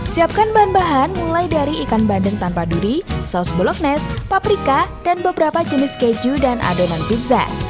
siapkan bahan bahan mulai dari ikan bandeng tanpa duri saus bulognes paprika dan beberapa jenis keju dan adonan pizza